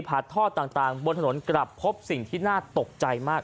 ท่อต่างบนถนนกลับพบสิ่งที่น่าตกใจมาก